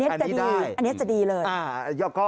อันนี้จะดีเลย